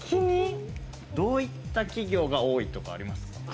どういった企業が多いとかありますか？